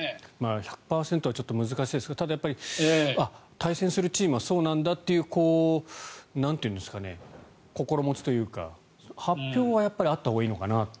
１００％はちょっと難しいですけどただ、対戦するチームはそうなんだという心持ちというか発表はあったほうがいいのかな。